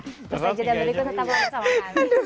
terus aja dan berikut tetap lagi sama kami